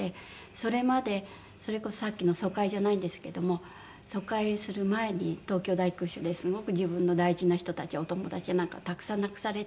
それまでそれこそさっきの疎開じゃないんですけども疎開する前に東京大空襲ですごく自分の大事な人たちお友達やなんかをたくさん亡くされて。